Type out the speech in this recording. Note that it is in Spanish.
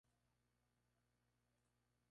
La citotoxicidad se ha evaluado en estudios in vitro.